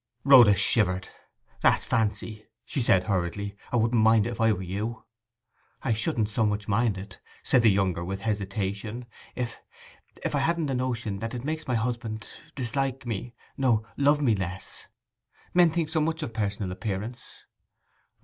Rhoda shivered. 'That's fancy,' she said hurriedly. 'I wouldn't mind it, if I were you.' 'I shouldn't so much mind it,' said the younger, with hesitation, 'if—if I hadn't a notion that it makes my husband—dislike me—no, love me less. Men think so much of personal appearance.